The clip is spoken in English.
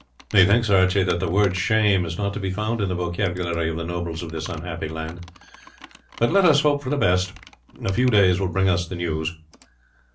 "Methinks, Archie, that the word shame is not to be found in the vocabulary of the nobles of this unhappy land. But let us hope for the best; a few days will bring us the news."